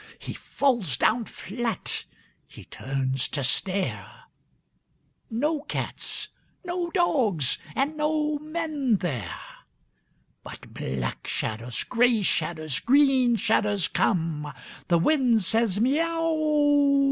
He falls down flat. H)e turns to stare — No cats, no dogs, and no men there. But black shadows, grey shadows, green shadows come. The wind says, " Miau !